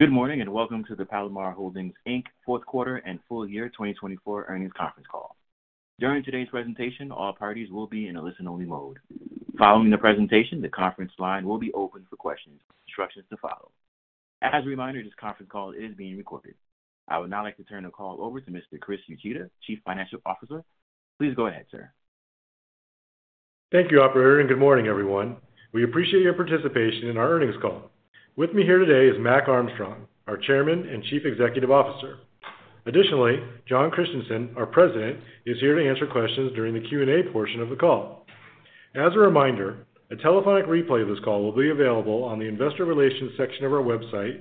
Good morning and welcome to the Palomar Holdings, Inc Fourth Quarter and Full Year 2024 Earnings Conference Call. During today's presentation, all parties will be in a listen-only mode. Following the presentation, the conference line will be open for questions. Instructions to follow. As a reminder, this conference call is being recorded. I would now like to turn the call over to Mr. Chris Uchida, Chief Financial Officer. Please go ahead, sir. Thank you, Operator, and good morning, everyone. We appreciate your participation in our earnings call. With me here today is Mac Armstrong, our Chairman and Chief Executive Officer. Additionally, Jon Christianson, our President, is here to answer questions during the Q&A portion of the call. As a reminder, a telephonic replay of this call will be available on the Investor Relations section of our website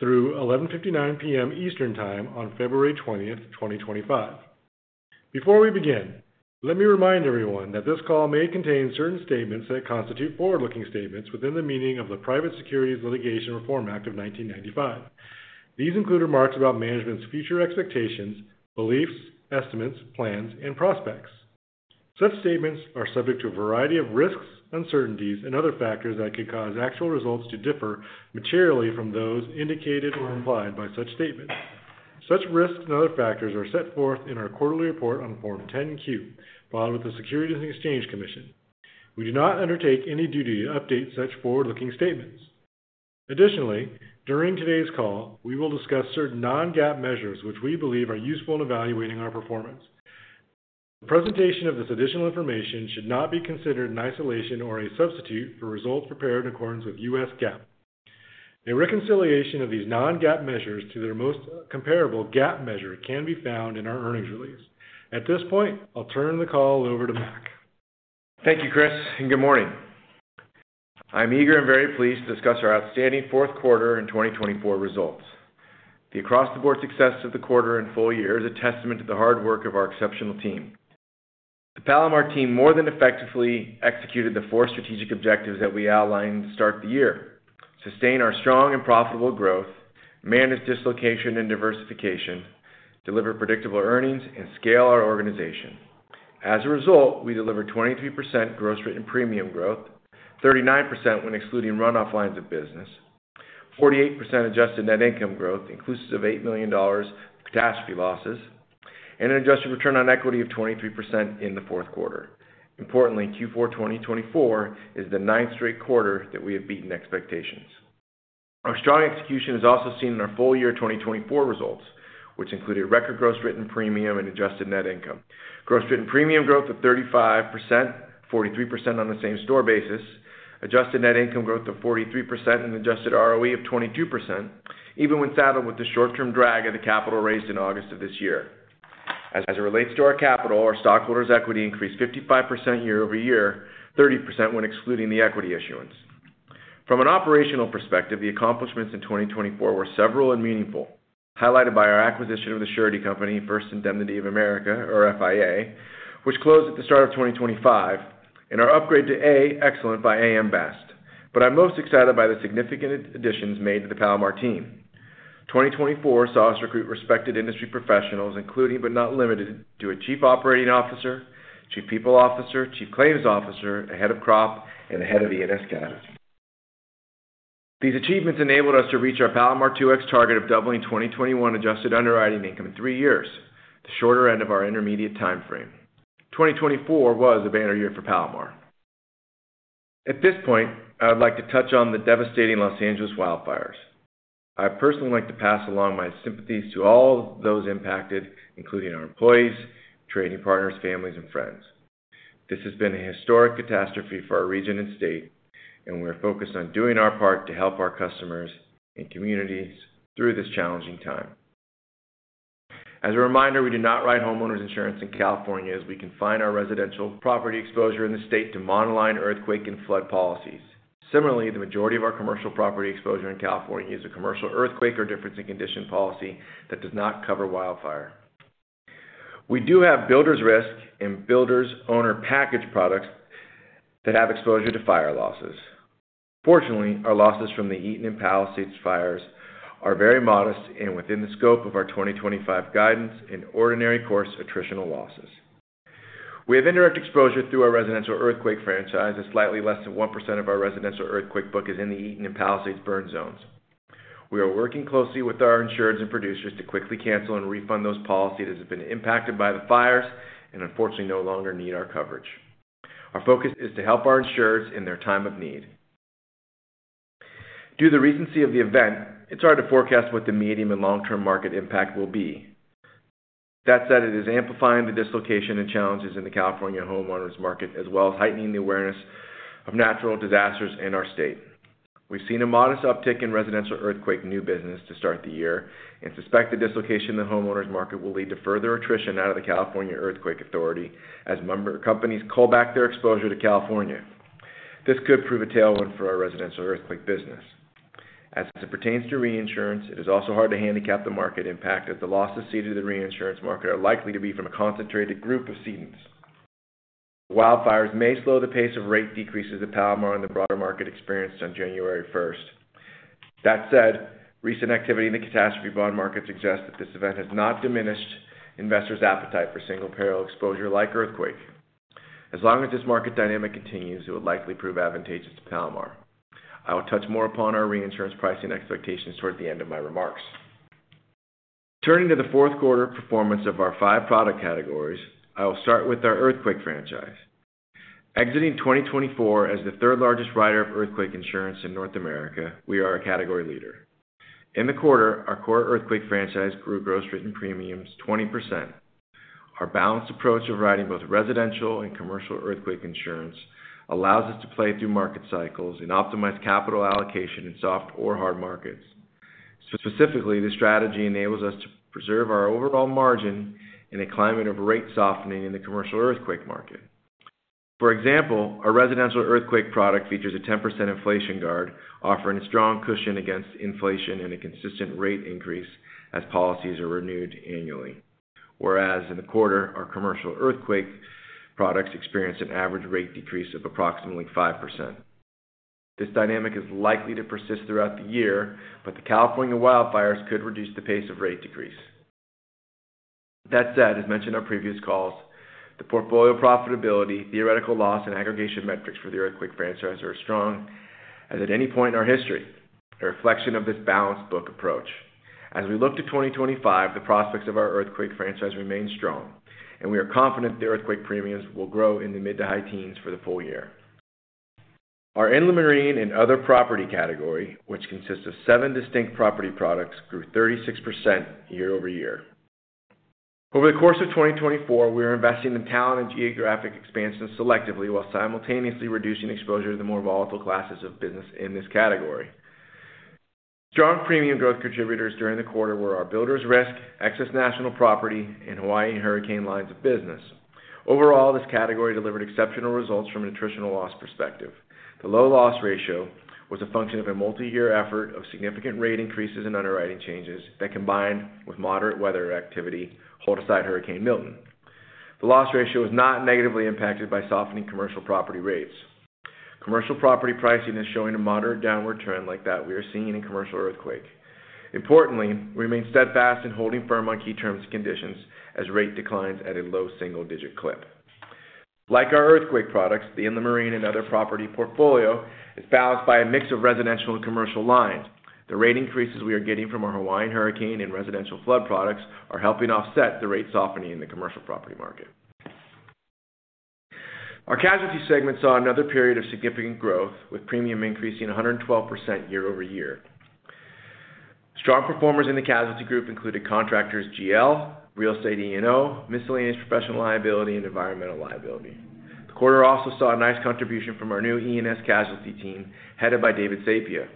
through 11:59 P.M. Eastern Time on February 20th, 2025. Before we begin, let me remind everyone that this call may contain certain statements that constitute forward-looking statements within the meaning of the Private Securities Litigation Reform Act of 1995. These include remarks about management's future expectations, beliefs, estimates, plans, and prospects. Such statements are subject to a variety of risks, uncertainties, and other factors that could cause actual results to differ materially from those indicated or implied by such statements. Such risks and other factors are set forth in our quarterly report on Form 10-Q, filed with the Securities and Exchange Commission. We do not undertake any duty to update such forward-looking statements. Additionally, during today's call, we will discuss certain non-GAAP measures which we believe are useful in evaluating our performance. The presentation of this additional information should not be considered in isolation or a substitute for results prepared in accordance with U.S. GAAP. A reconciliation of these non-GAAP measures to their most comparable GAAP measure can be found in our earnings release. At this point, I'll turn the call over to Mac. Thank you, Chris, and good morning. I'm eager and very pleased to discuss our outstanding fourth quarter and 2024 results. The across-the-board success of the quarter and full year is a testament to the hard work of our exceptional team. The Palomar team more than effectively executed the four strategic objectives that we outlined to start the year: sustain our strong and profitable growth, manage dislocation and diversification, deliver predictable earnings, and scale our organization. As a result, we delivered 23% gross rate and premium growth, 39% when excluding runoff lines of business, 48% adjusted net income growth, inclusive of $8 million catastrophe losses, and an adjusted return on equity of 23% in the fourth quarter. Importantly, Q4 2024 is the ninth straight quarter that we have beaten expectations. Our strong execution is also seen in our full year 2024 results, which included record gross rate and premium and adjusted net income, gross rate and premium growth of 35%, 43% on the same store basis, adjusted net income growth of 43%, and adjusted ROE of 22%, even when saddled with the short-term drag of the capital raised in August of this year. As it relates to our capital, our stockholders' equity increased 55% year-over-year, 30% when excluding the equity issuance. From an operational perspective, the accomplishments in 2024 were several and meaningful, highlighted by our acquisition of the surety company, First Indemnity of America, or FIA, which closed at the start of 2025, and our upgrade to A (Excellent) by AM Best. But I'm most excited by the significant additions made to the Palomar team. 2024 saw us recruit respected industry professionals, including but not limited to a Chief Operating Officer, Chief People Officer, Chief Claims Officer, a Head of Crop, and a Head of E&S Casualty. These achievements enabled us to reach our Palomar 2X target of doubling 2021 adjusted underwriting income in three years, the shorter end of our intermediate timeframe. 2024 was a banner year for Palomar. At this point, I would like to touch on the devastating Los Angeles wildfires. I personally like to pass along my sympathies to all those impacted, including our employees, trading partners, families, and friends. This has been a historic catastrophe for our region and state, and we are focused on doing our part to help our customers and communities through this challenging time. As a reminder, we do not write homeowners insurance in California, as we confine our residential property exposure in the state to monoline earthquake and flood policies. Similarly, the majority of our commercial property exposure in California is a Commercial Earthquake or Difference in Conditions policy that does not cover wildfire. We do have Builders Risk and Builders Owner Package products that have exposure to fire losses. Fortunately, our losses from the Eaton and Palisades fires are very modest and within the scope of our 2025 guidance and ordinary course attritional losses. We have indirect exposure through our residential earthquake franchise, as slightly less than 1% of our residential earthquake book is in the Eaton and Palisades burn zones. We are working closely with our insureds and producers to quickly cancel and refund those policies that have been impacted by the fires and unfortunately no longer need our coverage. Our focus is to help our insureds in their time of need. Due to the recency of the event, it's hard to forecast what the medium and long-term market impact will be. That said, it is amplifying the dislocation and challenges in the California homeowners market, as well as heightening the awareness of natural disasters in our state. We've seen a modest uptick in residential earthquake new business to start the year, and suspect the dislocation in the homeowners market will lead to further attrition out of the California Earthquake Authority as companies call back their exposure to California. This could prove a tailwind for our residential earthquake business. As it pertains to reinsurance, it is also hard to handicap the market impact, as the losses ceded in the reinsurance market are likely to be from a concentrated group of cedents. Wildfires may slow the pace of rate decreases at Palomar and the broader market experienced on January 1st. That said, recent activity in the catastrophe bond market suggests that this event has not diminished investors' appetite for single-peril exposure like earthquake. As long as this market dynamic continues, it would likely prove advantageous to Palomar. I will touch more upon our reinsurance pricing expectations toward the end of my remarks. Turning to the fourth quarter performance of our five product categories, I will start with our earthquake franchise. Exiting 2024 as the third-largest writer of earthquake insurance in North America, we are a category leader. In the quarter, our core earthquake franchise grew gross written premiums 20%. Our balanced approach of writing both residential and Commercial Earthquake insurance allows us to play through market cycles and optimize capital allocation in soft or hard markets. Specifically, this strategy enables us to preserve our overall margin in a climate of rate softening in the Commercial Earthquake market. For example, our residential earthquake product features a 10% inflation guard, offering a strong cushion against inflation and a consistent rate increase as policies are renewed annually. Whereas in the quarter, our Commercial Earthquake products experienced an average rate decrease of approximately 5%. This dynamic is likely to persist throughout the year, but the California wildfires could reduce the pace of rate decrease. That said, as mentioned in our previous calls, the portfolio profitability, theoretical loss, and aggregation metrics for the earthquake franchise are as strong as at any point in our history, a reflection of this balanced book approach. As we look to 2025, the prospects of our earthquake franchise remain strong, and we are confident the earthquake premiums will grow in the mid to high teens for the full year. Our inland marine and other property category, which consists of seven distinct property products, grew 36% year-over-year. Over the course of 2024, we are investing in talent and geographic expansion selectively while simultaneously reducing exposure to the more volatile classes of business in this category. Strong premium growth contributors during the quarter were our Builders Risk, Excess National Property, and Hawaii and Hurricane lines of business. Overall, this category delivered exceptional results from an attritional loss perspective. The low loss ratio was a function of a multi-year effort of significant rate increases and underwriting changes that combined with moderate weather activity hold aside Hurricane Milton. The loss ratio was not negatively impacted by softening commercial property rates. Commercial property pricing is showing a moderate downward trend like that we are seeing in Commercial Earthquake. Importantly, we remain steadfast in holding firm on key terms and conditions as rate declines at a low single-digit clip. Like our earthquake products, the Inland Marine and Other Property portfolio is balanced by a mix of residential and commercial lines. The rate increases we are getting from our Hawaii and Hurricane and Residential Flood products are helping offset the rate softening in the commercial property market. Our Casualty segment saw another period of significant growth, with premium increasing 112% year-over-year. Strong performers in the Casualty group included Contractors GL, Real Estate E&O, Miscellaneous Professional Liability, and Environmental Liability. The quarter also saw a nice contribution from our new E&S Casualty team headed by David Sapia.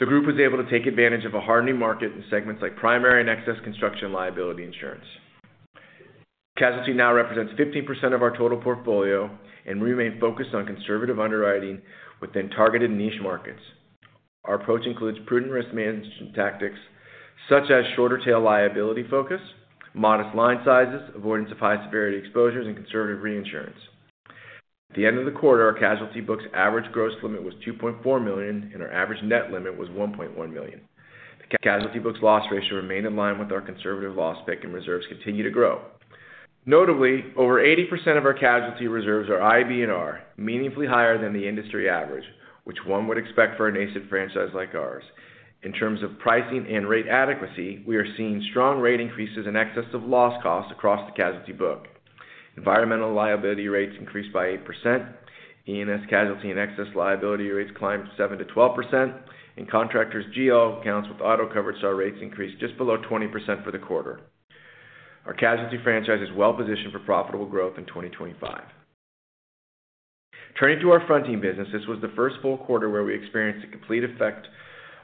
The group was able to take advantage of a hardening market in segments like primary and excess construction liability insurance. Casualty now represents 15% of our total portfolio and we remain focused on conservative underwriting within targeted niche markets. Our approach includes prudent risk management tactics such as shorter tail liability focus, modest line sizes, avoidance of high severity exposures, and conservative reinsurance. At the end of the quarter, our Casualty book's average gross limit was $2.4 million, and our average net limit was $1.1 million. The Casualty book's loss ratio remained in line with our conservative loss pick, and reserves continue to grow. Notably, over 80% of our Casualty reserves are IBNR, meaningfully higher than the industry average, which one would expect for an E&S franchise like ours. In terms of pricing and rate adequacy, we are seeing strong rate increases and excessive loss costs across the Casualty book. Environmental liability rates increased by 8%. E&S Casualty and Excess Liability rates climbed 7%-12%, and Contractors GL accounts with auto coverage start rates increased just below 20% for the quarter. Our Casualty franchise is well positioned for profitable growth in 2025. Turning to our fronting business, this was the first full quarter where we experienced the complete effect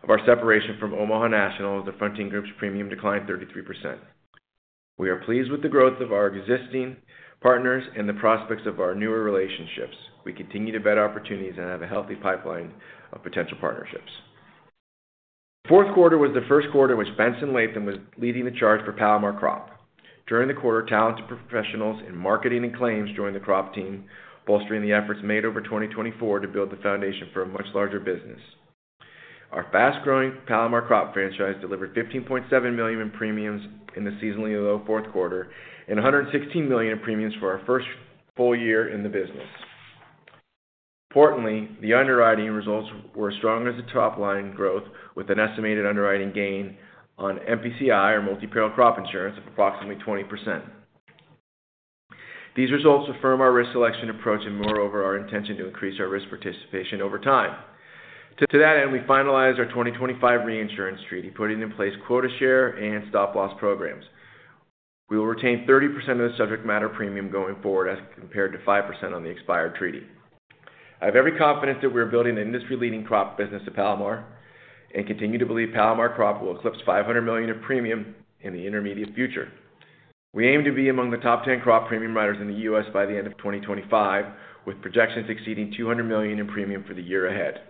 of our separation from Omaha National, as the fronting group's premium declined 33%. We are pleased with the growth of our existing partners and the prospects of our newer relationships. We continue to vet opportunities and have a healthy pipeline of potential partnerships. The fourth quarter was the first quarter in which Benson Latham was leading the charge for Palomar Crop. During the quarter, talented professionals in marketing and claims joined the Crop team, bolstering the efforts made over 2024 to build the foundation for a much larger business. Our fast-growing Palomar Crop franchise delivered $15.7 million in premiums in the seasonally low fourth quarter and $116 million in premiums for our first full year in the business. Importantly, the underwriting results were as strong as the top line growth, with an estimated underwriting gain on MPCI, our Multi-Peril Crop Insurance, of approximately 20%. These results affirm our risk selection approach and, moreover, our intention to increase our risk participation over time. To that end, we finalized our 2025 reinsurance treaty, putting in place quota share and stop-loss programs. We will retain 30% of the subject matter premium going forward as compared to 5% on the expired treaty. I have every confidence that we are building an industry-leading crop business at Palomar and continue to believe Palomar Crop will eclipse $500 million in premium in the intermediate future. We aim to be among the top 10 crop premium writers in the U.S. by the end of 2025, with projections exceeding $200 million in premium for the year ahead.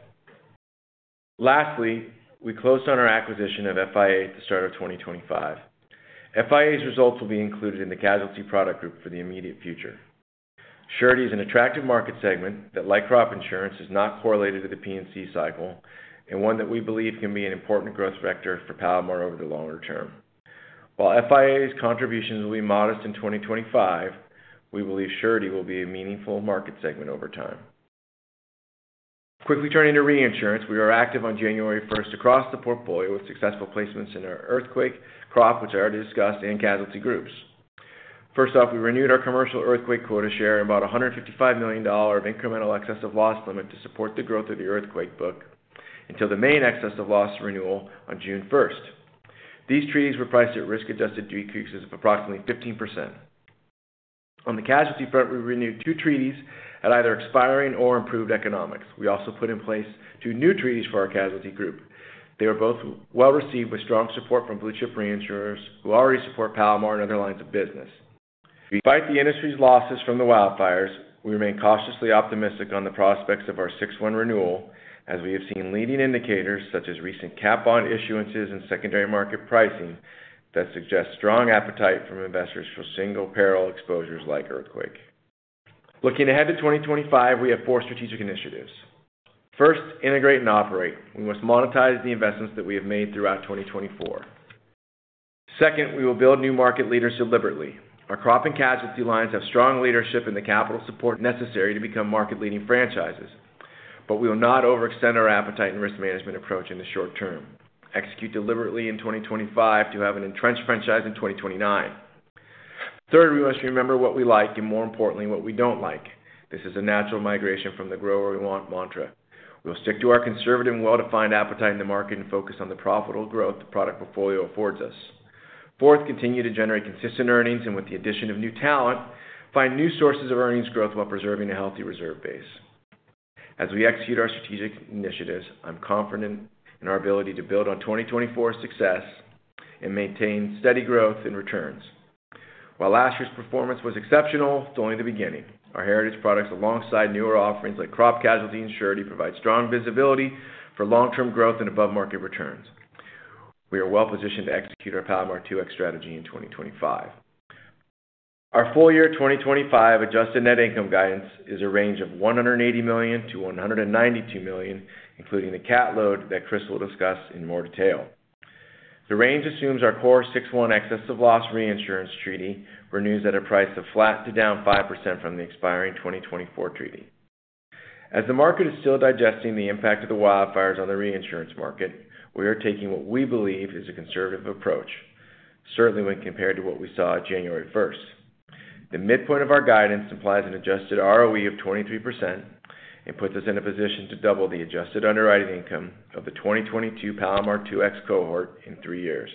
Lastly, we closed on our acquisition of FIA at the start of 2025. FIA's results will be included in the Casualty product group for the immediate future. Surety is an attractive market segment that, like Crop insurance, is not correlated to the P&C cycle and one that we believe can be an important growth vector for Palomar over the longer term. While FIA's contributions will be modest in 2025, we believe Surety will be a meaningful market segment over time. Quickly turning to reinsurance, we are active on January 1st across the portfolio with successful placements in our Earthquake Crop, which I already discussed, and Casualty groups. First off, we renewed our Commercial Earthquake quota share and bought $155 million of incremental excess loss limit to support the growth of the earthquake book until the main excess loss renewal on June 1st. These treaties were priced at risk-adjusted decreases of approximately 15%. On the Casualty front, we renewed two treaties at either expiring or improved economics. We also put in place two new treaties for our Casualty group. They were both well received with strong support from blue chip reinsurers, who already support Palomar and other lines of business. Despite the industry's losses from the wildfires, we remain cautiously optimistic on the prospects of our 6-1 renewal, as we have seen leading indicators such as recent cat bond issuances and secondary market pricing that suggest strong appetite from investors for single peril exposures like earthquake. Looking ahead to 2025, we have four strategic initiatives. First, integrate and operate. We must monetize the investments that we have made throughout 2024. Second, we will build new market leaders deliberately. Our Crop and Casualty lines have strong leadership and the capital support necessary to become market-leading franchises, but we will not overextend our appetite and risk management approach in the short term. Execute deliberately in 2025 to have an entrenched franchise in 2029. Third, we must remember what we like and, more importantly, what we don't like. This is a natural migration from the Grow Where We Want mantra. We will stick to our conservative and well-defined appetite in the market and focus on the profitable growth the product portfolio affords us. Fourth, continue to generate consistent earnings and, with the addition of new talent, find new sources of earnings growth while preserving a healthy reserve base. As we execute our strategic initiatives, I'm confident in our ability to build on 2024's success and maintain steady growth and returns. While last year's performance was exceptional, it's only the beginning. Our heritage products, alongside newer offerings like Crop Casualty and Surety, provide strong visibility for long-term growth and above-market returns. We are well positioned to execute our Palomar 2X strategy in 2025. Our full year 2025 adjusted net income guidance is a range of $180 million to $192 million, including the cat loss that Chris will discuss in more detail. The range assumes our core 6/01 excess of loss reinsurance treaty renews at a price of flat to down 5% from the expiring 2024 treaty. As the market is still digesting the impact of the wildfires on the reinsurance market, we are taking what we believe is a conservative approach, certainly when compared to what we saw on January 1st. The midpoint of our guidance implies an adjusted ROE of 23% and puts us in a position to double the adjusted underwriting income of the 2022 Palomar 2X cohort in three years.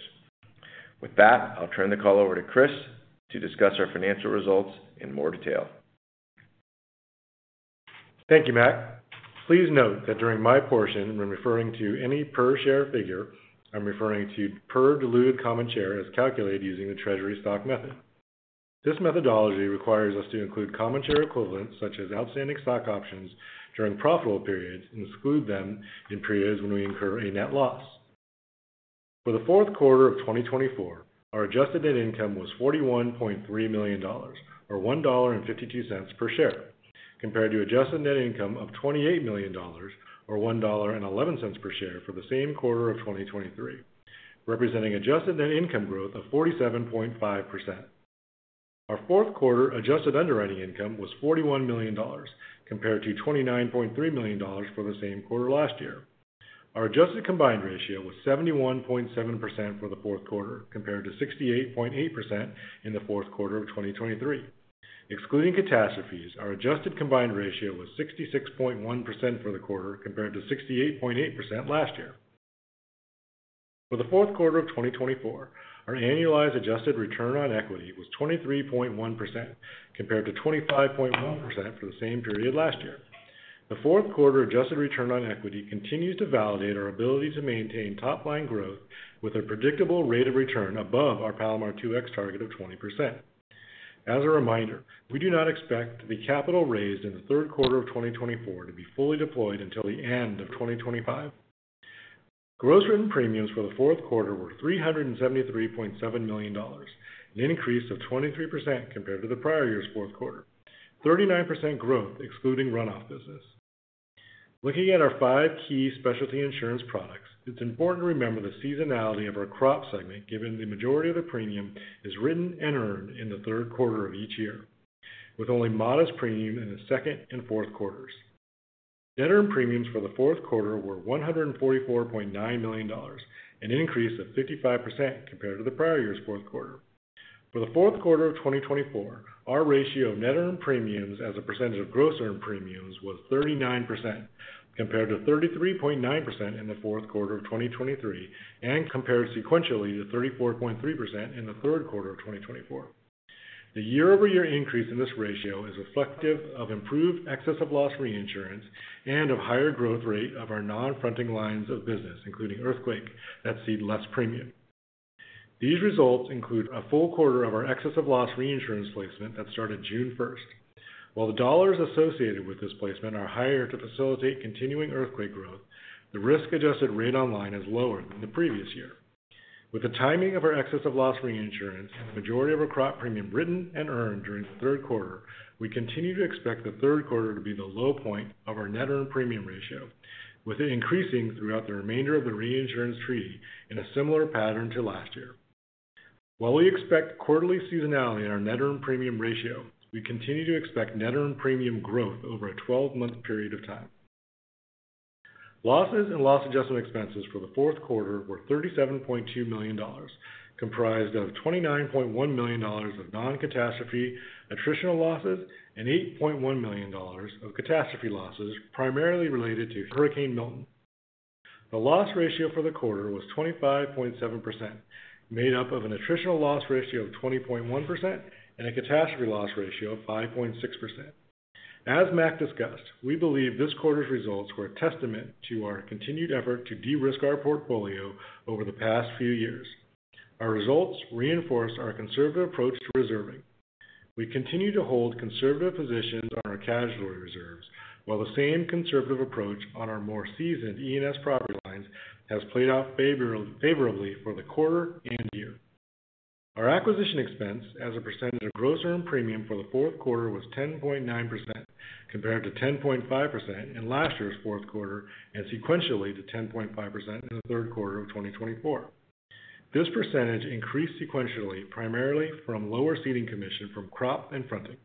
With that, I'll turn the call over to Chris to discuss our financial results in more detail. Thank you, Mac. Please note that during my portion, when referring to any per-share figure, I'm referring to per-diluted common share as calculated using the treasury stock method. This methodology requires us to include common share equivalents such as outstanding stock options during profitable periods and exclude them in periods when we incur a net loss. For the fourth quarter of 2024, our adjusted net income was $41.3 million, or $1.52 per share, compared to adjusted net income of $28 million, or $1.11 per share for the same quarter of 2023, representing adjusted net income growth of 47.5% Our fourth quarter adjusted underwriting income was $41 million, compared to $29.3 million for the same quarter last year. Our adjusted combined ratio was 71.7% for the fourth quarter, compared to 68.8% in the fourth quarter of 2023. Excluding catastrophes, our adjusted combined ratio was 66.1% for the quarter, compared to 68.8% last year. For the fourth quarter of 2024, our annualized adjusted return on equity was 23.1%, compared to 25.1% for the same period last year. The fourth quarter adjusted return on equity continues to validate our ability to maintain top-line growth with a predictable rate of return above our Palomar 2X target of 20%. As a reminder, we do not expect the capital raised in the third quarter of 2024 to be fully deployed until the end of 2025. Gross written premiums for the fourth quarter were $373.7 million, an increase of 23% compared to the prior year's fourth quarter, 39% growth excluding runoff business. Looking at our five key specialty insurance products, it's important to remember the seasonality of our Crop segment, given the majority of the premium is written and earned in the third quarter of each year, with only modest premium in the second and fourth quarters. Net earned premiums for the fourth quarter were $144.9 million, an increase of 55% compared to the prior year's fourth quarter. For the fourth quarter of 2024, our ratio of net earned premiums as a percentage of gross earned premiums was 39%, compared to 33.9% in the fourth quarter of 2023 and compared sequentially to 34.3% in the third quarter of 2024. The year-over-year increase in this ratio is reflective of improved excess of loss reinsurance and of higher growth rate of our non-fronting lines of business, including earthquake, that cede less premium. These results include a full quarter of our excess of loss reinsurance placement that started June 1st. While the dollars associated with this placement are higher to facilitate continuing earthquake growth, the risk-adjusted rate on line is lower than the previous year. With the timing of our excess of loss reinsurance and the majority of our Crop premium written and earned during the third quarter, we continue to expect the third quarter to be the low point of our net earned premium ratio, with it increasing throughout the remainder of the reinsurance treaty in a similar pattern to last year. While we expect quarterly seasonality in our net earned premium ratio, we continue to expect net earned premium growth over a 12-month period of time. Losses and loss adjustment expenses for the fourth quarter were $37.2 million, comprised of $29.1 million of non-catastrophe attritional losses and $8.1 million of catastrophe losses primarily related to Hurricane Milton. The loss ratio for the quarter was 25.7%, made up of an attritional loss ratio of 20.1% and a catastrophe loss ratio of 5.6%. As Mac discussed, we believe this quarter's results were a testament to our continued effort to de-risk our portfolio over the past few years. Our results reinforced our conservative approach to reserving. We continue to hold conservative positions on our Casualty reserves, while the same conservative approach on our more seasoned E&S property lines has played out favorably for the quarter and year. Our acquisition expense as a percentage of gross earned premium for the fourth quarter was 10.9%, compared to 10.5% in last year's fourth quarter and sequentially to 10.5% in the third quarter of 2024. This percentage increased sequentially primarily from lower ceding commission from crop and fronting.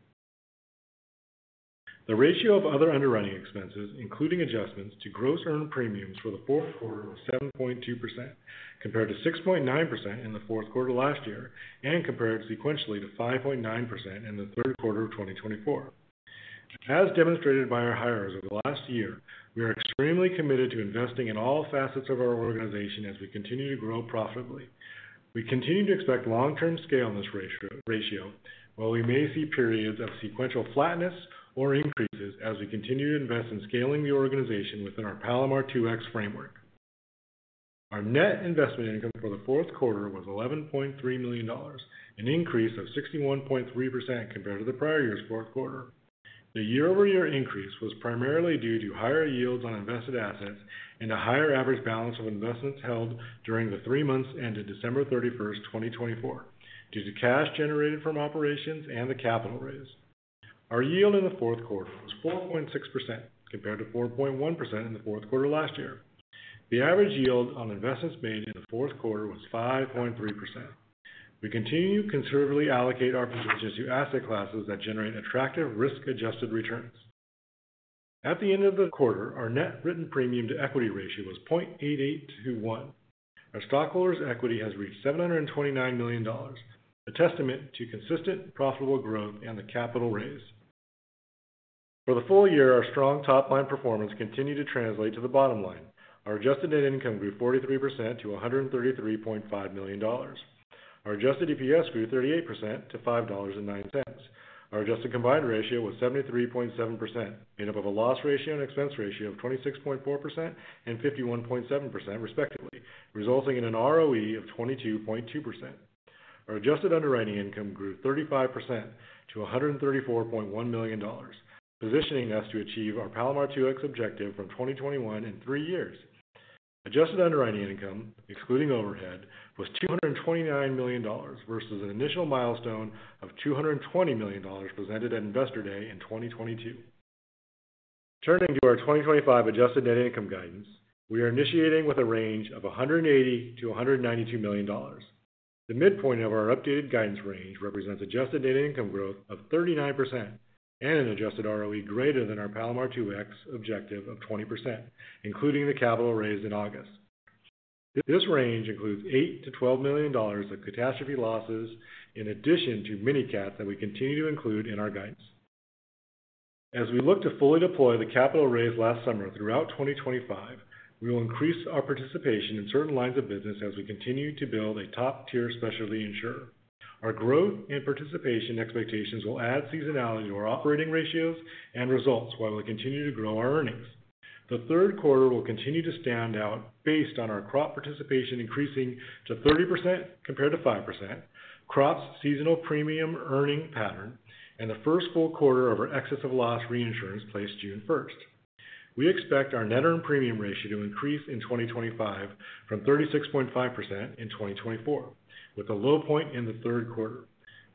The ratio of other underwriting expenses, including adjustments to gross earned premiums for the fourth quarter, was 7.2%, compared to 6.9% in the fourth quarter last year and compared sequentially to 5.9% in the third quarter of 2024. As demonstrated by our hires over the last year, we are extremely committed to investing in all facets of our organization as we continue to grow profitably. We continue to expect long-term scale in this ratio, while we may see periods of sequential flatness or increases as we continue to invest in scaling the organization within our Palomar 2X framework. Our net investment income for the fourth quarter was $11.3 million, an increase of 61.3% compared to the prior year's fourth quarter. The year-over-year increase was primarily due to higher yields on invested assets and a higher average balance of investments held during the three months ended December 31st, 2024, due to cash generated from operations and the capital raise. Our yield in the fourth quarter was 4.6%, compared to 4.1% in the fourth quarter last year. The average yield on investments made in the fourth quarter was 5.3%. We continue to conservatively allocate our positions to asset classes that generate attractive risk-adjusted returns. At the end of the quarter, our net written premium to equity ratio was 0.88 to 1. Our stockholders' equity has reached $729 million, a testament to consistent profitable growth and the capital raise. For the full year, our strong top-line performance continued to translate to the bottom line. Our adjusted net income grew 43% to $133.5 million. Our adjusted EPS grew 38% to $5.09. Our adjusted combined ratio was 73.7%, made up of a loss ratio and expense ratio of 26.4% and 51.7%, respectively, resulting in an ROE of 22.2%. Our adjusted underwriting income grew 35% to $134.1 million, positioning us to achieve our Palomar 2X objective from 2021 in three years. Adjusted underwriting income, excluding overhead, was $229 million versus an initial milestone of $220 million presented at Investor Day in 2022. Turning to our 2025 adjusted net income guidance, we are initiating with a range of $180 to $192 million. The midpoint of our updated guidance range represents adjusted net income growth of 39% and an adjusted ROE greater than our Palomar 2X objective of 20%, including the capital raised in August. This range includes $8 to $12 million of catastrophe losses, in addition to mini-cats that we continue to include in our guidance. As we look to fully deploy the capital raised last summer throughout 2025, we will increase our participation in certain lines of business as we continue to build a top-tier specialty insurer. Our growth and participation expectations will add seasonality to our operating ratios and results while we continue to grow our earnings. The third quarter will continue to stand out based on our crop participation increasing to 30% compared to 5%, crop's seasonal premium earning pattern, and the first full quarter of our excess of loss reinsurance placed June 1st. We expect our net earned premium ratio to increase in 2025 from 36.5% in 2024, with a low point in the third quarter.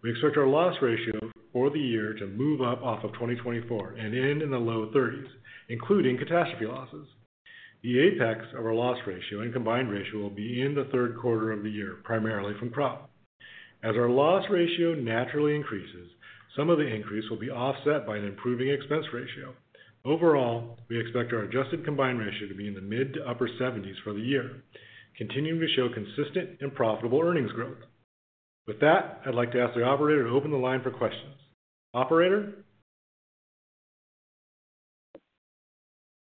We expect our loss ratio for the year to move up off of 2024 and end in the low 30s, including catastrophe losses. The apex of our loss ratio and combined ratio will be in the third quarter of the year, primarily from crop. As our loss ratio naturally increases, some of the increase will be offset by an improving expense ratio. Overall, we expect our adjusted combined ratio to be in the mid to upper 70s for the year, continuing to show consistent and profitable earnings growth. With that, I'd like to ask the operator to open the line for questions. Operator?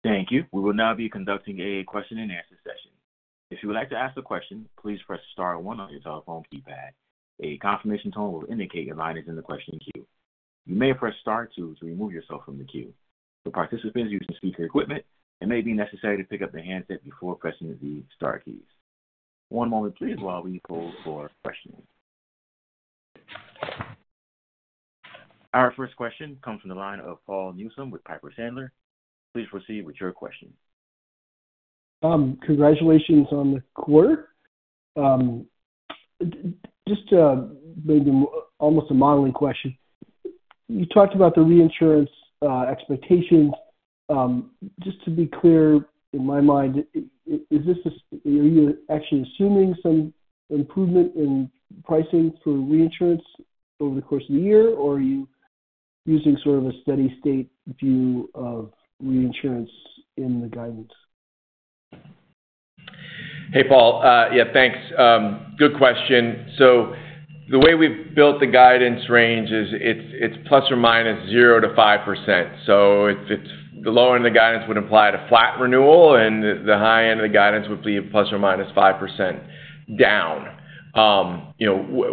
Thank you. We will now be conducting a question-and-answer session. If you would like to ask a question, please press star one on your telephone keypad. A confirmation tone will indicate your line is in the question queue. You may press star two to remove yourself from the queue. For participants using speaker equipment, it may be necessary to pick up the handset before pressing the star keys. One moment, please, while we hold for questions. Our first question comes from the line of Paul Newsome with Piper Sandler. Please proceed with your question. Congratulations on the quarter. Just maybe almost a modeling question. You talked about the reinsurance expectations. Just to be clear in my mind, are you actually assuming some improvement in pricing for reinsurance over the course of the year, or are you using sort of a steady-state view of reinsurance in the guidance? Hey, Paul. Yeah, thanks. Good question. So the way we've built the guidance range is it's ±0-5%. So the lower end of the guidance would apply to flat renewal, and the high end of the guidance would be ±5% down.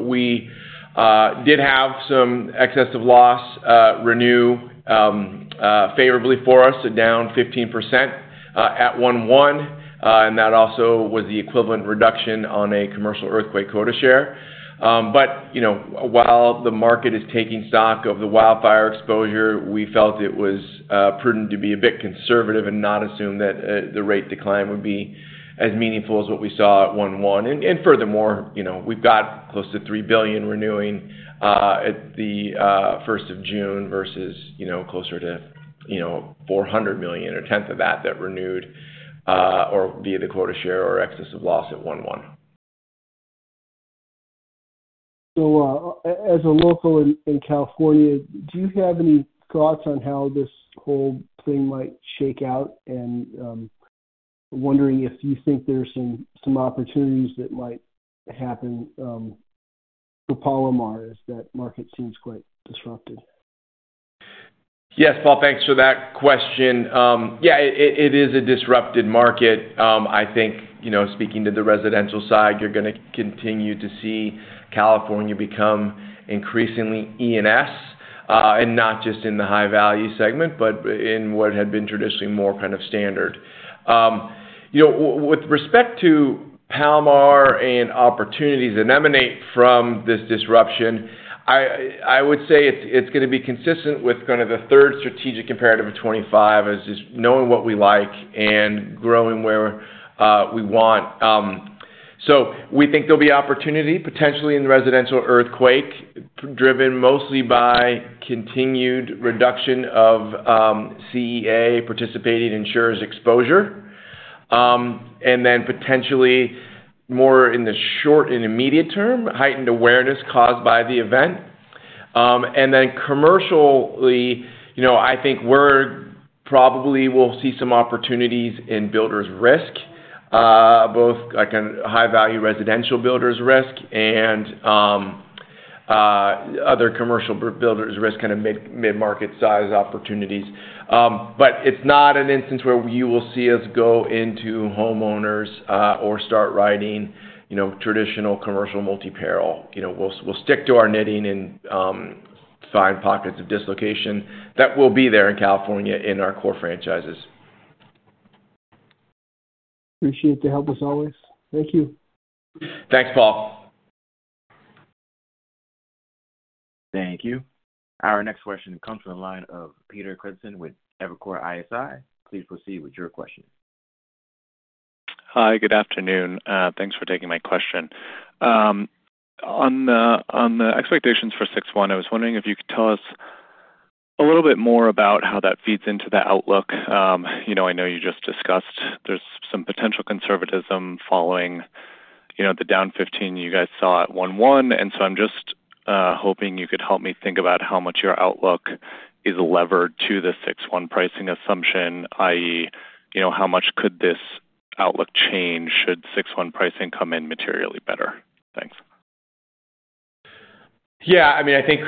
We did have some excess loss renewal favorably for us, down 15% at 1/1, and that also was the equivalent reduction on a Commercial Earthquake quota share. But while the market is taking stock of the wildfire exposure, we felt it was prudent to be a bit conservative and not assume that the rate decline would be as meaningful as what we saw at 1/1. And furthermore, we've got close to $3 billion renewing at the 1st of June versus closer to $400 million, a tenth of that that renewed via the quota share or excess of loss at 1/1. So as a local in California, do you have any thoughts on how this whole thing might shake out? And wondering if you think there's some opportunities that might happen for Palomar as that market seems quite disrupted. Yes, Paul, thanks for that question. Yeah, it is a disrupted market. I think, speaking to the residential side, you're going to continue to see California become increasingly E&S, and not just in the high-value segment, but in what had been traditionally more kind of standard. With respect to Palomar and opportunities that emanate from this disruption, I would say it's going to be consistent with kind of the third strategic imperative of 2025, which is knowing what we like and growing where we want. So we think there'll be opportunity potentially in the residential earthquake, driven mostly by continued reduction of CEA participating insurers' exposure, and then potentially more in the short and immediate term, heightened awareness caused by the event and then commercial, I think we're probably will see some opportunities in builders' risk, both high-value residential builders' risk and other commercial builders' risk, kind of mid-market size opportunities, but it's not an instance where you will see us go into homeowners or start writing traditional commercial multi-peril. We'll stick to our knitting and find pockets of dislocation that will be there in California in our core franchises. Appreciate the help as always. Thank you. Thanks, Paul. Thank you. Our next question comes from the line of Peter Knudsen with Evercore ISI. Please proceed with your question. Hi, good afternoon. Thanks for taking my question. On the expectations for 6/1, I was wondering if you could tell us a little bit more about how that feeds into the outlook. I know you just discussed there's some potential conservatism following the down 15 you guys saw at 1/1. And so I'm just hoping you could help me think about how much your outlook is levered to the 6/1 pricing assumption, i.e., how much could this outlook change should 6/1 pricing come in materially better? Thanks. Yeah. I mean, I think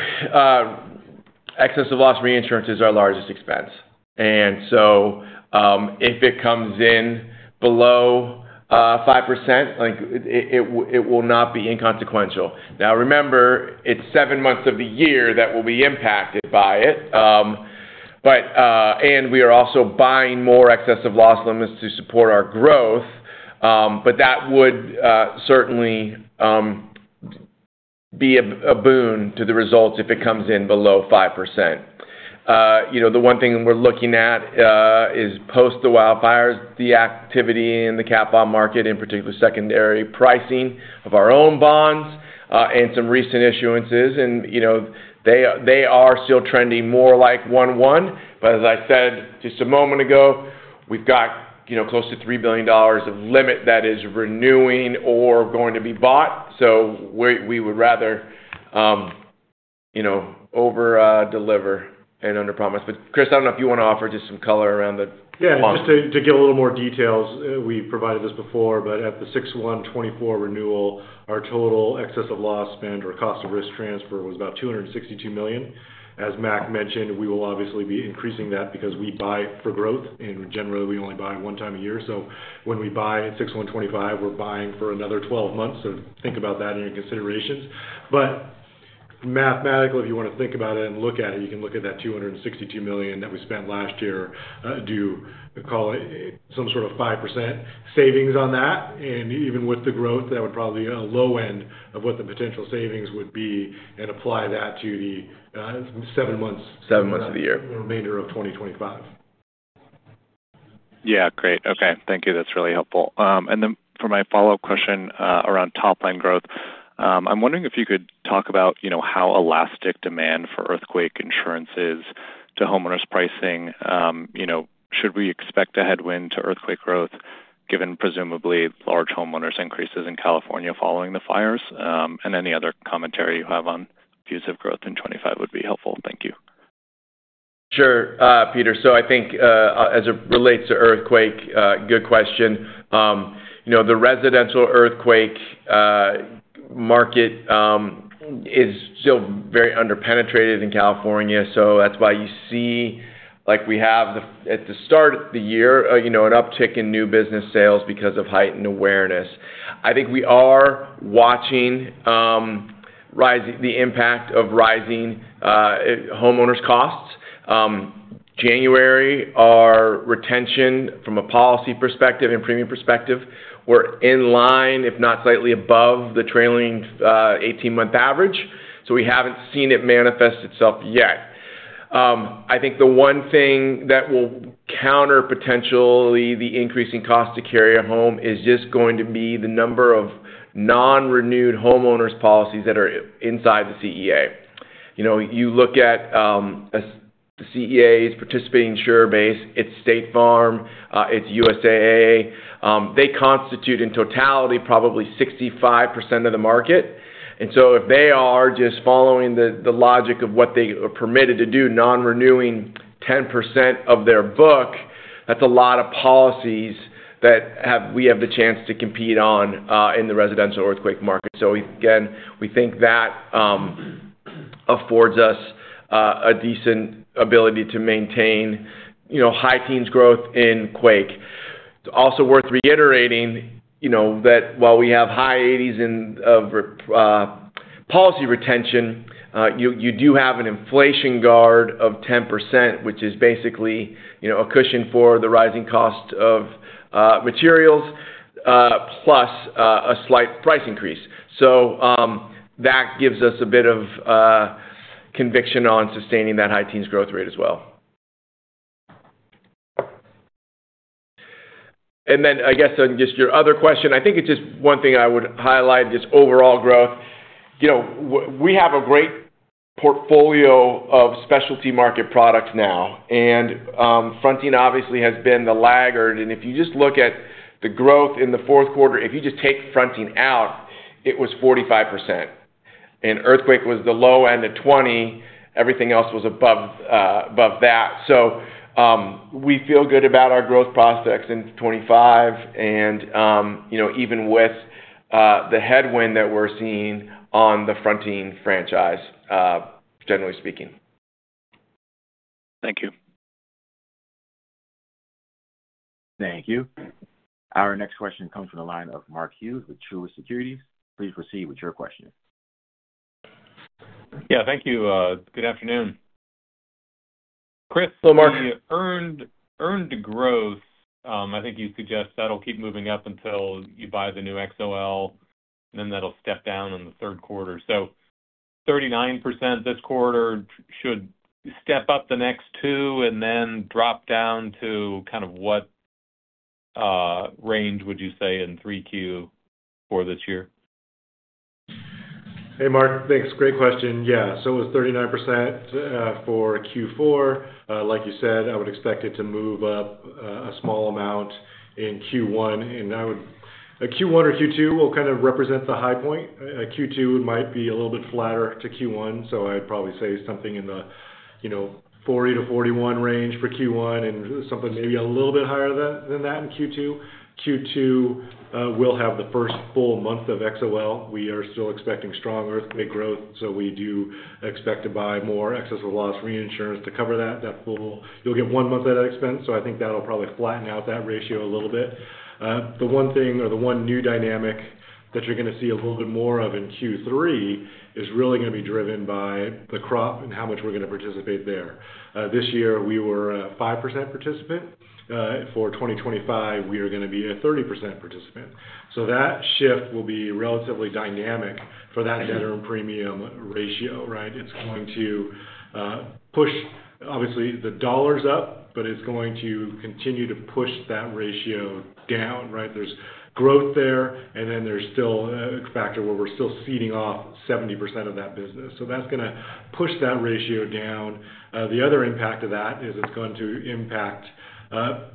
excess-of-loss reinsurances are our largest expense. And so if it comes in below 5%, it will not be inconsequential. Now, remember, it's seven months of the year that will be impacted by it. We are also buying more excess loss limits to support our growth, but that would certainly be a boon to the results if it comes in below 5%. The one thing we're looking at is post the wildfires, the activity in the capital market, in particular, secondary pricing of our own bonds and some recent issuances. And they are still trending more like 1/1. But as I said just a moment ago, we've got close to $3 billion of limit that is renewing or going to be bought. So we would rather over-deliver and under-promise. But Chris, I don't know if you want to offer just some color around the bond. Yeah. Just to give a little more details, we provided this before, but at the 6/1/2024 renewal, our total excess loss spend or cost of risk transfer was about $262 million. As Mac mentioned, we will obviously be increasing that because we buy for growth, and generally, we only buy one time a year, so when we buy at 6/1/2025, we're buying for another 12 months, so think about that in your considerations, but mathematically, if you want to think about it and look at it, you can look at that $262 million that we spent last year, do some sort of 5% savings on that, and even with the growth, that would probably be a low end of what the potential savings would be and apply that to the seven months of the year, the remainder of 2025. Yeah. Great. Okay. Thank you. That's really helpful, and then for my follow-up question around top-line growth, I'm wondering if you could talk about how elastic demand for earthquake insurances to homeowners' pricing. Should we expect a headwind to earthquake growth, given presumably large homeowners' increases in California following the fires? And any other commentary you have on future growth in 2025 would be helpful. Thank you. Sure, Peter. So I think as it relates to earthquake, good question. The residential earthquake market is still very under-penetrated in California. So that's why you see we have at the start of the year an uptick in new business sales because of heightened awareness. I think we are watching the impact of rising homeowners' costs. January, our retention from a policy perspective and premium perspective, we're in line, if not slightly above the trailing 18-month average. So we haven't seen it manifest itself yet. I think the one thing that will counter potentially the increasing cost to carry a home is just going to be the number of non-renewed homeowners' policies that are inside the CEA. You look at the CEA's participating insurer base, it's State Farm, it's USAA. They constitute in totality probably 65% of the market, and so if they are just following the logic of what they are permitted to do, non-renewing 10% of their book, that's a lot of policies that we have the chance to compete on in the residential earthquake market. So again, we think that affords us a decent ability to maintain high teens growth in quake. It's also worth reiterating that while we have high 80s of policy retention, you do have an inflation guard of 10%, which is basically a cushion for the rising cost of materials, plus a slight price increase. So that gives us a bit of conviction on sustaining that high-teens growth rate as well. And then I guess on just your other question, I think it's just one thing I would highlight, just overall growth. We have a great portfolio of specialty market products now. And fronting obviously has been the laggard. And if you just look at the growth in the fourth quarter, if you just take fronting out, it was 45%. And earthquake was the low end of 20%. Everything else was above that. So we feel good about our growth prospects in 2025, and even with the headwind that we're seeing on the fronting franchise, generally speaking. Thank you. Thank you. Our next question comes from the line of Mark Hughes with Truist Securities. Please proceed with your question. Yeah. Thank you. Good afternoon. Chris. Hello, Mac. The earned growth, I think you suggest that'll keep moving up until you buy the new XOL, and then that'll step down in the third quarter. So 39% this quarter should step up the next two and then drop down to kind of what range would you say in 3Q for this year? Hey, Mark. Thanks. Great question. Yeah. So it was 39% for Q4. Like you said, I would expect it to move up a small amount in Q1. And Q1 or Q2 will kind of represent the high point. Q2 might be a little bit flatter to Q1. So I'd probably say something in the 40%-41% range for Q1 and something maybe a little bit higher than that in Q2. Q2 will have the first full month of XOL. We are still expecting strong earthquake growth. So we do expect to buy more excess of loss reinsurance to cover that. You'll get one month of that expense. So I think that'll probably flatten out that ratio a little bit. The one thing or the one new dynamic that you're going to see a little bit more of in Q3 is really going to be driven by the crop and how much we're going to participate there. This year, we were a 5% participant. For 2025, we are going to be a 30% participant. So that shift will be relatively dynamic for that net earned premium ratio, right? It's going to push, obviously, the dollars up, but it's going to continue to push that ratio down, right? There's growth there, and then there's still a factor where we're still ceding off 70% of that business. So that's going to push that ratio down. The other impact of that is it's going to impact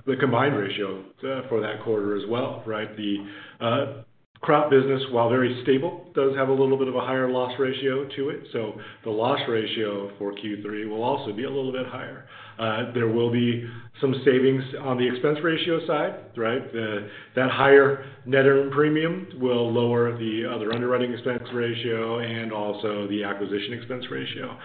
the combined ratio for that quarter as well, right? The crop business, while very stable, does have a little bit of a higher loss ratio to it. So the loss ratio for Q3 will also be a little bit higher. There will be some savings on the expense ratio side, right? That higher net earned premium will lower the other underwriting expense ratio and also the acquisition expense ratio.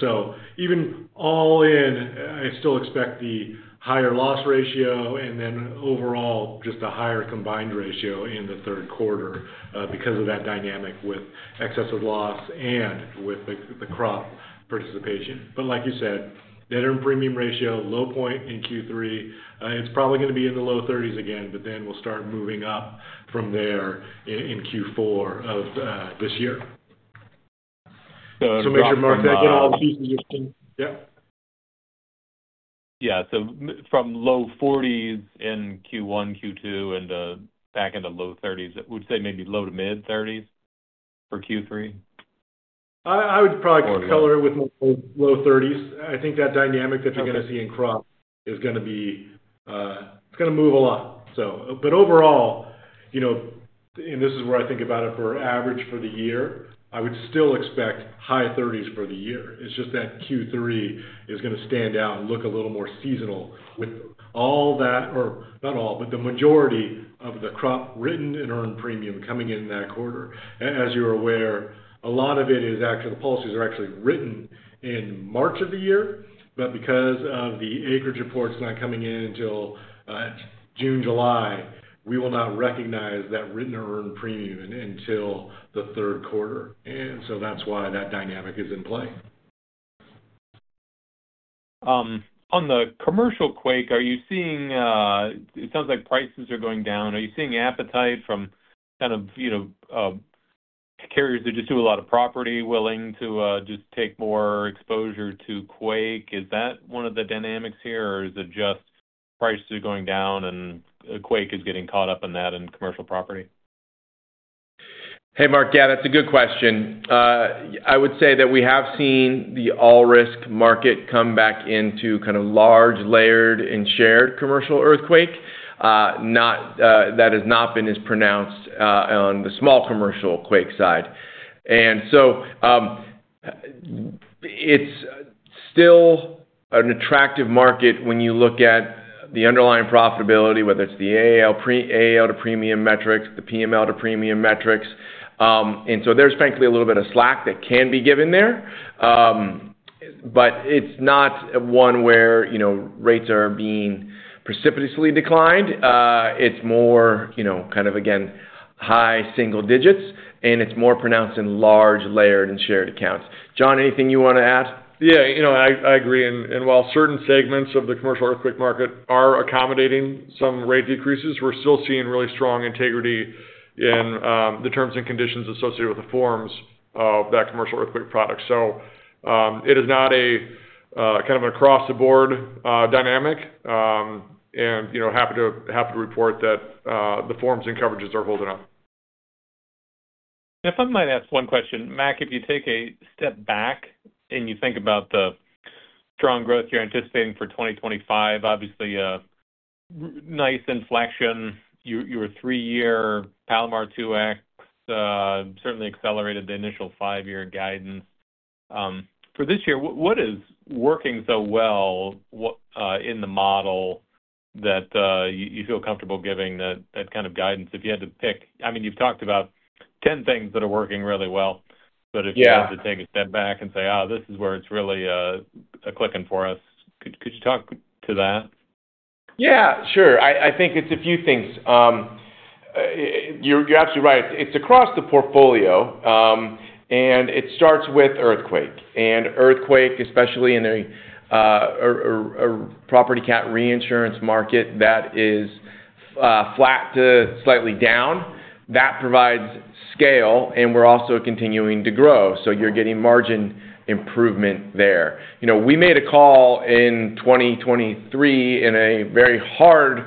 So even all in, I still expect the higher loss ratio and then overall just a higher combined ratio in the third quarter because of that dynamic with excessive loss and with the crop participation. But like you said, net earned premium ratio, low point in Q3. It's probably going to be in the low 30s again, but then we'll start moving up from there in Q4 of this year. So make sure, Mark, that you get all the pieces you're seeing. Yeah. Yeah. So from low 40s in Q1, Q2, and back into low 30s, I would say maybe low to mid 30s for Q3. I would probably color it with low 30s. I think that dynamic that you're going to see in crop is going to be. It's going to move a lot. But overall, and this is where I think about it for average for the year, I would still expect high 30s for the year. It's just that Q3 is going to stand out and look a little more seasonal with all that, or not all, but the majority of the crop written and earned premium coming in that quarter. As you're aware, a lot of it is actually the policies are actually written in March of the year, but because of the acreage reports not coming in until June, July, we will not recognize that written or earned premium until the third quarter, and so that's why that dynamic is in play. On the commercial quake, are you seeing it sounds like prices are going down? Are you seeing appetite from kind of carriers that just do a lot of property willing to just take more exposure to quake? Is that one of the dynamics here, or is it just prices are going down and quake is getting caught up in that and commercial property? Hey, Mark. Yeah, that's a good question. I would say that we have seen the all-risk market come back into kind of large layered and shared Commercial Earthquake. That has not been as pronounced on the small commercial quake side. And so it's still an attractive market when you look at the underlying profitability, whether it's the AAL to premium metrics, the PML to premium metrics. And so there's frankly a little bit of slack that can be given there, but it's not one where rates are being precipitously declined. It's more kind of, again, high single digits, and it's more pronounced in large layered and shared accounts. Jon, anything you want to add? Yeah. I agree. And while certain segments of the Commercial Earthquake market are accommodating some rate decreases, we're still seeing really strong integrity in the terms and conditions associated with the forms of that Commercial Earthquake product. So it is not kind of an across-the-board dynamic, and happy to report that the forms and coverages are holding up. If I might ask one question, Mac, if you take a step back and you think about the strong growth you're anticipating for 2025, obviously nice inflection. Your three-year Palomar 2X certainly accelerated the initial five-year guidance. For this year, what is working so well in the model that you feel comfortable giving that kind of guidance? If you had to pick, I mean, you've talked about 10 things that are working really well, but if you had to take a step back and say, "Oh, this is where it's really clicking for us," could you talk to that? Yeah. Sure. I think it's a few things. You're absolutely right. It's across the portfolio, and it starts with earthquake, and earthquake, especially in a property cap reinsurance market that is flat to slightly down, that provides scale, and we're also continuing to grow. So you're getting margin improvement there. We made a call in 2023 in a very hard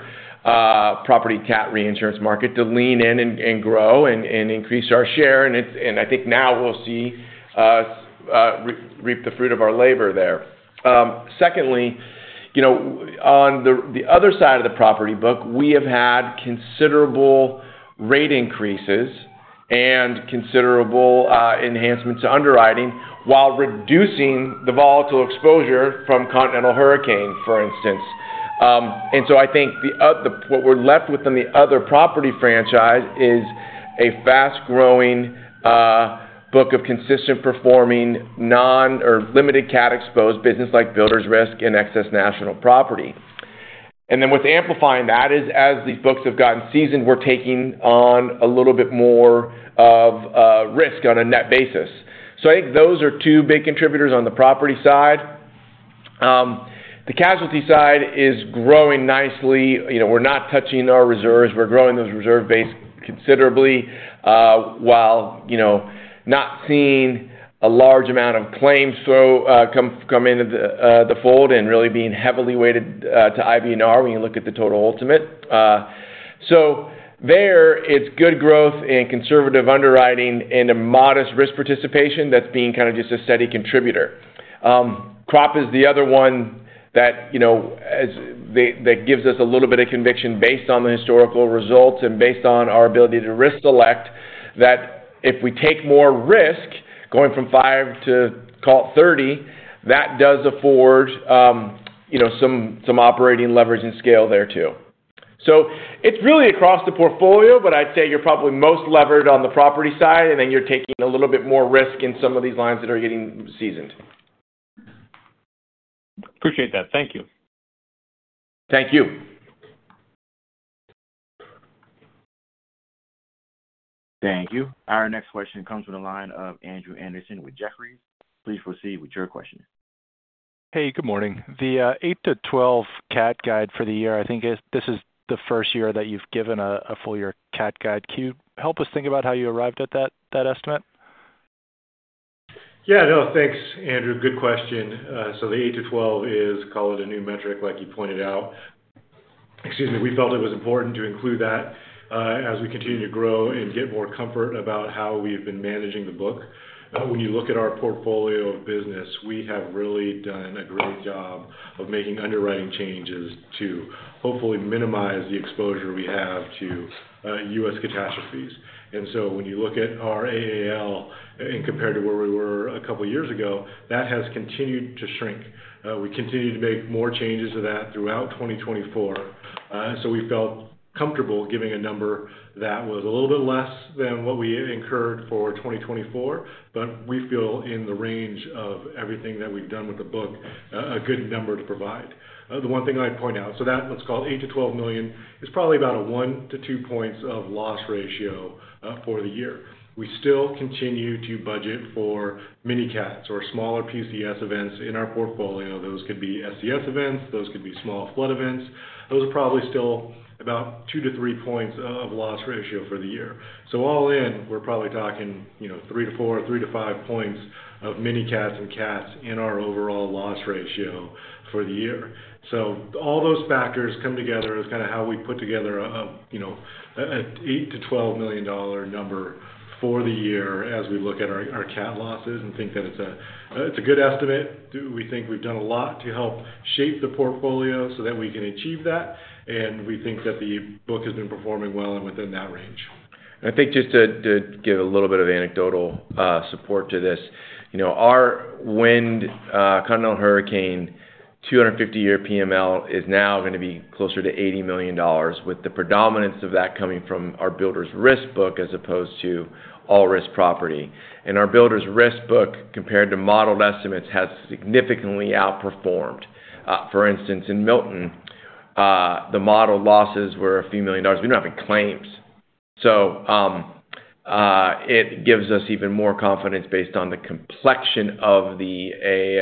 property cat reinsurance market to lean in and grow and increase our share. And I think now we'll see us reap the fruit of our labor there. Secondly, on the other side of the property book, we have had considerable rate increases and considerable enhancements to underwriting while reducing the volatile exposure from catastrophe, like hurricane, for instance. And so I think what we're left with in the other property franchise is a fast-growing book of consistent performing non- or limited-cat-exposed business like Builders Risk and Excess National Property. And then with amplifying that, as these books have gotten seasoned, we're taking on a little bit more of risk on a net basis. So I think those are two big contributors on the property side. The Casualty side is growing nicely. We're not touching our reserves. We're growing those reserve base considerably while not seeing a large amount of claims come into the fold and really being heavily weighted to IBNR when you look at the total ultimate. So there, it's good growth and conservative underwriting and a modest risk participation that's being kind of just a steady contributor. Crop is the other one that gives us a little bit of conviction based on the historical results and based on our ability to risk select that if we take more risk going from 5 to call it 30, that does afford some operating leverage and scale there too. So it's really across the portfolio, but I'd say you're probably most levered on the property side, and then you're taking a little bit more risk in some of these lines that are getting seasoned. Appreciate that. Thank you. Thank you. Thank you. Our next question comes from the line of Andrew Andersen with Jefferies. Please proceed with your question. Hey, good morning. The 8-12 CAT guide for the year, I think this is the first year that you've given a full year CAT guide. Can you help us think about how you arrived at that estimate? Yeah. No, thanks, Andrew. Good question. So the 8-12 is, call it a new metric like you pointed out. Excuse me. We felt it was important to include that as we continue to grow and get more comfort about how we've been managing the book. When you look at our portfolio of business, we have really done a great job of making underwriting changes to hopefully minimize the exposure we have to U.S. catastrophes. When you look at our AAL and compare it to where we were a couple of years ago, that has continued to shrink. We continued to make more changes to that throughout 2024. We felt comfortable giving a number that was a little bit less than what we incurred for 2024, but we feel in the range of everything that we've done with the book, a good number to provide. The one thing I'd point out, so that what's called $8 to $12 million is probably about a 1-2 points of loss ratio for the year. We still continue to budget for mini cats or smaller PCS events in our portfolio. Those could be SCS events. Those could be small flood events. Those are probably still about 2-3 points of loss ratio for the year. All in, we're probably talking 3-4, 3-5 points of mini cats and cats in our overall loss ratio for the year. All those factors come together as kind of how we put together an $8 to $12 million number for the year as we look at our cat losses and think that it's a good estimate. We think we've done a lot to help shape the portfolio so that we can achieve that, and we think that the book has been performing well and within that range. I think just to give a little bit of anecdotal support to this, our wind, continental hurricane, 250-year PML is now going to be closer to $80 million with the predominance of that coming from our Builders Risk book as opposed to all-risk property. Our Builders Risk book compared to modeled estimates has significantly outperformed. For instance, in Milton, the model losses were a few million dollars. We don't have any claims, so it gives us even more confidence based on the complexion of the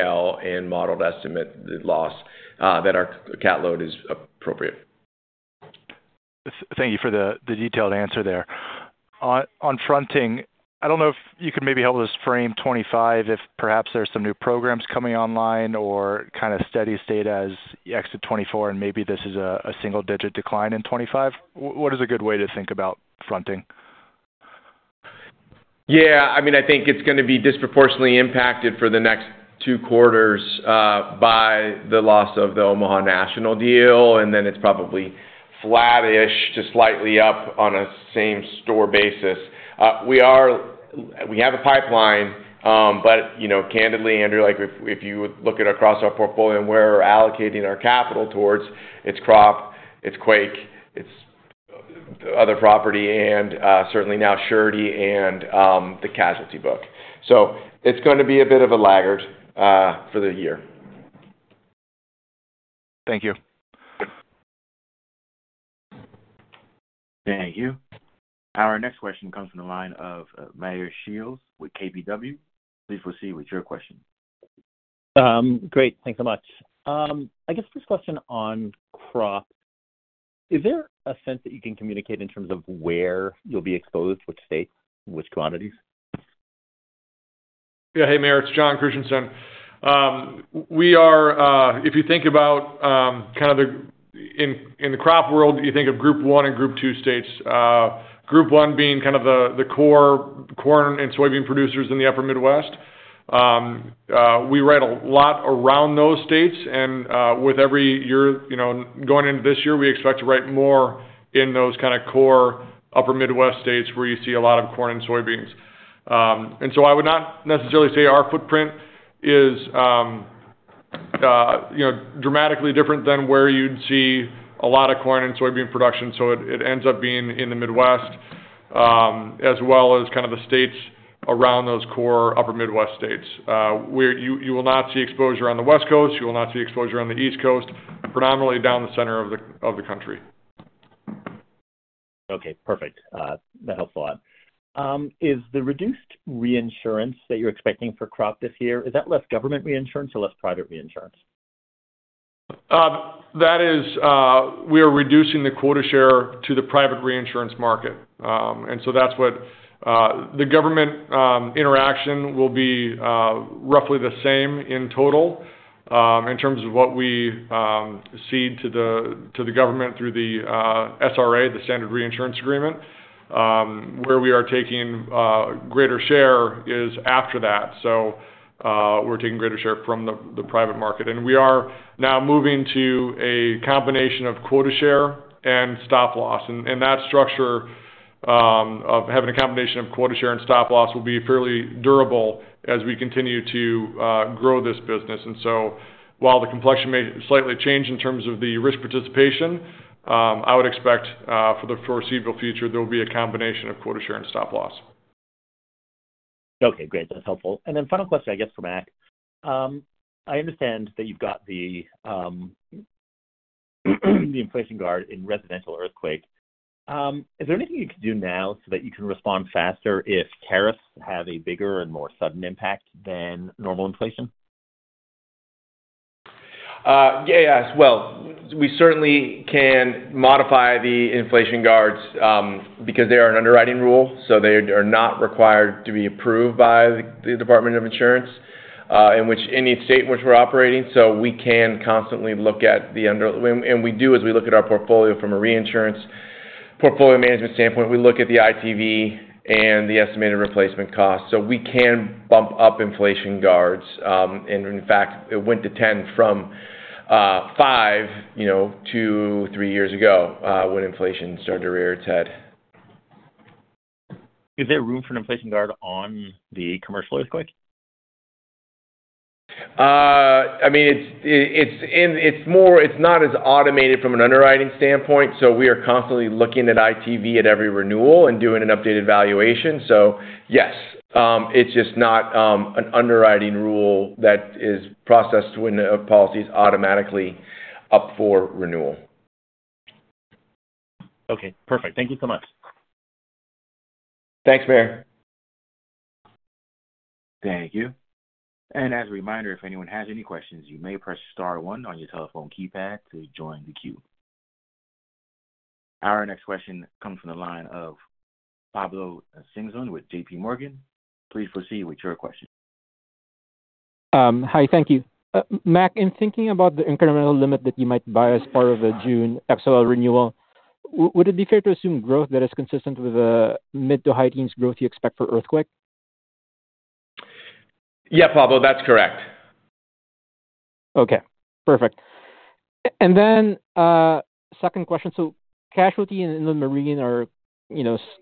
AAL and modeled estimate loss that our cat load is appropriate. Thank you for the detailed answer there. On fronting, I don't know if you could maybe help us frame 2025 if perhaps there's some new programs coming online or kind of steady state as exit 2024, and maybe this is a single-digit decline in 2025. What is a good way to think about fronting? Yeah. I mean, I think it's going to be disproportionately impacted for the next two quarters by the loss of the Omaha National deal, and then it's probably flat-ish to slightly up on a same-store basis. We have a pipeline, but candidly, Andrew, if you look across our portfolio and where we're allocating our capital towards, it's crop, it's quake, it's other property, and certainly now Surety and the Casualty book. So it's going to be a bit of a laggard for the year. Thank you. Thank you. Our next question comes from the line of Meyer Shields with KBW. Please proceed with your question. Great. Thanks so much. I guess first question on crop. Is there a sense that you can communicate in terms of where you'll be exposed, which states, which quantities? Yeah. Hey, Meyer. It's Jon Christianson. If you think about kind of in the crop world, you think of Group 1 and Group 2 states, Group 1 being kind of the corn and soybean producers in the Upper Midwest. We write a lot around those states, and with every year going into this year, we expect to write more in those kind of core Upper Midwest states where you see a lot of corn and soybeans, and so I would not necessarily say our footprint is dramatically different than where you'd see a lot of corn and soybean production. So it ends up being in the Midwest as well as kind of the states around those core Upper Midwest states. You will not see exposure on the West Coast. You will not see exposure on the East Coast, predominantly down the center of the country. Okay. Perfect. That helps a lot. Is the reduced reinsurance that you're expecting for crop this year, is that less government reinsurance or less private reinsurance? We are reducing the quota share to the private reinsurance market. And so that's what the government interaction will be roughly the same in total in terms of what we cede to the government through the SRA, the Standard Reinsurance Agreement. Where we are taking a greater share is after that. So we're taking greater share from the private market. And we are now moving to a combination of quota share and stop loss. And that structure of having a combination of quota share and stop loss will be fairly durable as we continue to grow this business. And so while the complexion may slightly change in terms of the risk participation, I would expect for the foreseeable future, there will be a combination of quota share and stop loss. Okay. Great. That's helpful. And then final question, I guess, for Mac. I understand that you've got the Inflation Guard in Residential Earthquake. Is there anything you can do now so that you can respond faster if tariffs have a bigger and more sudden impact than normal inflation? Yeah. Yes. Well, we certainly can modify the inflation guards because they are an underwriting rule. So they are not required to be approved by the Department of Insurance in any state in which we're operating. So we can constantly look at the underwriting. And we do, as we look at our portfolio from a reinsurance portfolio management standpoint, we look at the ITV and the estimated replacement cost. So we can bump up inflation guards. And in fact, it went to 10 from five to three years ago when inflation started to rear its head. Is there room for an inflation guard on the Commercial Earthquake? I mean, it's not as automated from an underwriting standpoint. So we are constantly looking at ITV at every renewal and doing an updated valuation. So yes, it's just not an underwriting rule that is processed when a policy is automatically up for renewal. Okay. Perfect. Thank you so much. Thanks, Meyer. Thank you. And as a reminder, if anyone has any questions, you may press star one on your telephone keypad to join the queue. Our next question comes from the line of Pablo Singzon with JPMorgan. Please proceed with your question. Hi. Thank you. Mac, in thinking about the incremental limit that you might buy as part of a June XL renewal, would it be fair to assume growth that is consistent with the mid to high teens growth you expect for earthquake? Yeah, Pablo, that's correct. Okay. Perfect. And then second question. So Casualty and Inland Marine are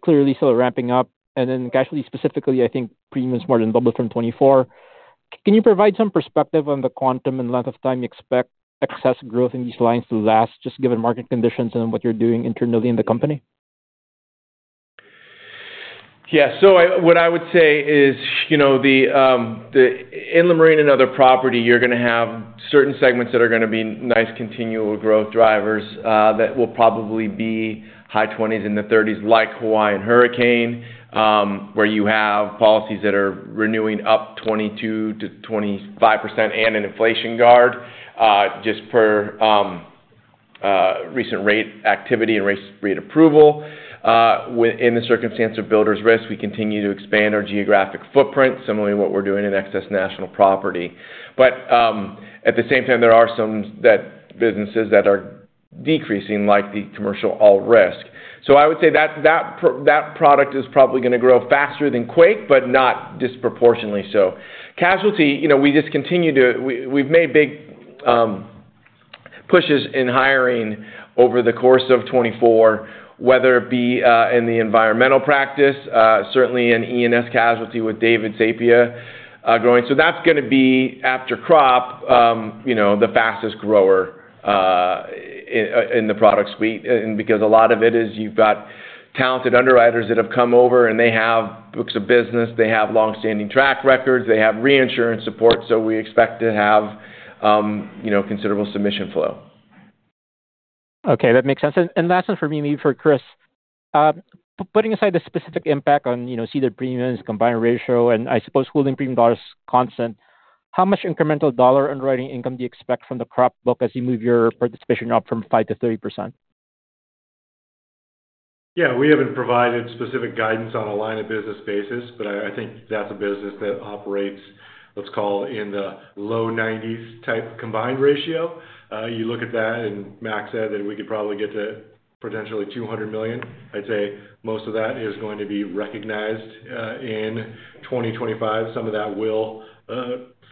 clearly still ramping up. Then Casualty specifically, I think premiums more than doubled from 2024. Can you provide some perspective on the quantum and length of time you expect excess growth in these lines to last just given market conditions and what you're doing internally in the company? Yeah. So what I would say is, Inland Marine and other property, you're going to have certain segments that are going to be nice continual growth drivers that will probably be high 20s and the 30s like Hawaiian Hurricane where you have policies that are renewing up 22%-25% and an Inflation Guard just per recent rate activity and rate approval. In the circumstance of Builders Risk, we continue to expand our geographic footprint, similarly what we're doing in Excess National Property. But at the same time, there are some businesses that are decreasing like the Commercial All Risk. So I would say that product is probably going to grow faster than quake, but not disproportionately so. Casualty, we just continue to we've made big pushes in hiring over the course of 2024, whether it be in the environmental practice, certainly in E&S Casualty with David Sapia growing. So that's going to be after crop, the fastest grower in the product suite. And because a lot of it is you've got talented underwriters that have come over and they have books of business, they have long-standing track records, they have reinsurance support. So we expect to have considerable submission flow. Okay. That makes sense. And last one for me, maybe for Chris. Putting aside the specific impact on ceded premiums, combined ratio, and I suppose holding premium dollars constant, how much incremental dollar underwriting income do you expect from the Crop book as you move your participation up from 5% to 30%? Yeah. We haven't provided specific guidance on a line of business basis, but I think that's a business that operates, let's call it, in the low 90s type combined ratio. You look at that, and Mac said that we could probably get to potentially $200 million. I'd say most of that is going to be recognized in 2025. Some of that will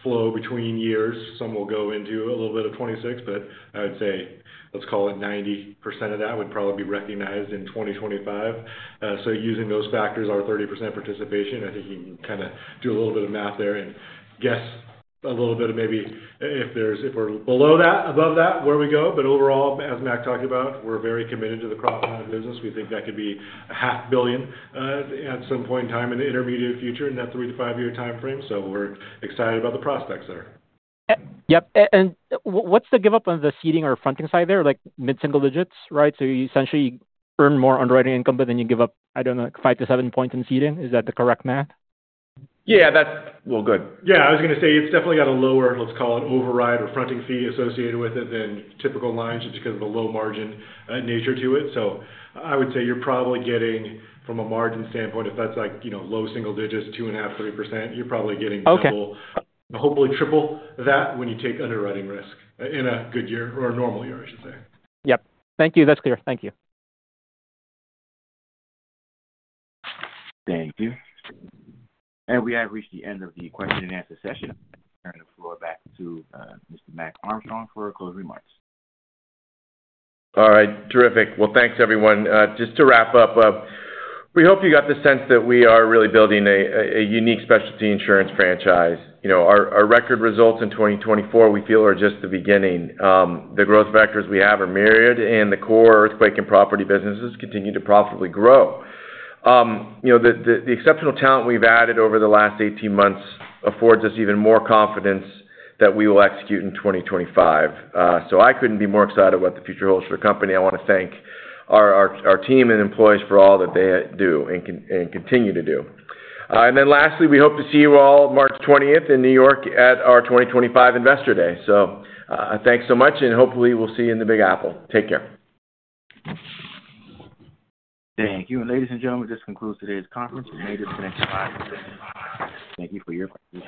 flow between years. Some will go into a little bit of 2026, but I would say, let's call it 90% of that would probably be recognized in 2025. Using those factors, our 30% participation, I think you can kind of do a little bit of math there and guess a little bit of maybe if we're below that, above that, where we go. But overall, as Mac talked about, we're very committed to the crop line of business. We think that could be $500 million at some point in time in the intermediate future in that three- to five-year time frame. So we're excited about the prospects there. Yep. And what's the give-up on the ceding or fronting side there? Like mid-single digits, right? So you essentially earn more underwriting income, but then you give up, I don't know, five to seven points in ceding. Is that the correct math? Yeah. Well, good. Yeah. I was going to say it's definitely got a lower, let's call it, override or fronting fee associated with it than typical lines just because of the low margin nature to it. So I would say you're probably getting from a margin standpoint, if that's like low single digits, 2.5%-3%, you're probably getting double, hopefully triple that when you take underwriting risk in a good year or a normal year, I should say. Yep. Thank you. That's clear. Thank you. Thank you. And we have reached the end of the question and answer session. I'm going to turn the floor back to Mr. Mac Armstrong for closing remarks. All right. Terrific. Well, thanks, everyone. Just to wrap up, we hope you got the sense that we are really building a unique specialty insurance franchise. Our record results in 2024, we feel, are just the beginning. The growth factors we have are myriad, and the core earthquake and property businesses continue to profitably grow. The exceptional talent we've added over the last 18 months affords us even more confidence that we will execute in 2025. So I couldn't be more excited about what the future holds for the company. I want to thank our team and employees for all that they do and continue to do. And then lastly, we hope to see you all March 20th in New York at our 2025 Investor Day. So thanks so much, and hopefully we'll see you in the Big Apple. Take care. Thank you. And ladies and gentlemen, this concludes today's conference. It may just finish live. Thank you for your participation.